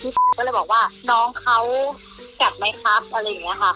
หนูก็เลยบอกว่าน้องเขากัดไหมครับอะไรอย่างนี้ค่ะ